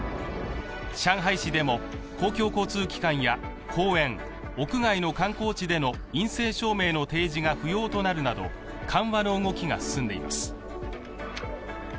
上海市でも、公共交通機関や公園、屋外の観光地での陰性証明の提示が不要となるなど緩和の動きが進んでいます。